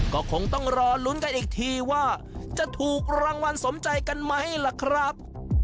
ก็คงต้องรอลุ้นกันอีกทีว่าจะถูกรางวัลสมใจกันไหมล่ะครับ